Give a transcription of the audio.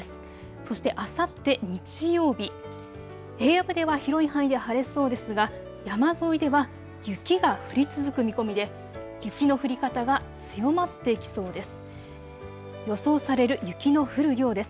そしてあさって日曜日、平野部では広い範囲で晴れそうですが山沿いでは雪が降り続く見込みで雪の降り方が強まってきそうです。